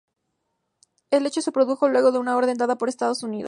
El hecho se produjo luego de una orden dada por Estados Unidos.